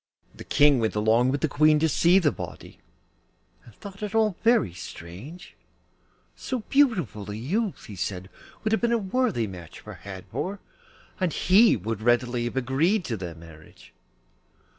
The King went along with the Queen to see the body, and thought it all very strange; so beautiful a youth, he said, would have been a worthy match for Hadvor, and he would readily have agreed to their marriage.